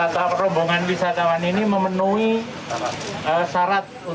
taman wisata candi borobudur